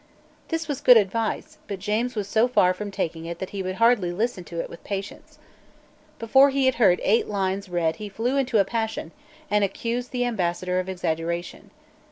This was good advice; but James was so far from taking it that he would hardly listen to it with patience. Before he had heard eight lines read he flew into a passion and accused the ambassador of exaggeration.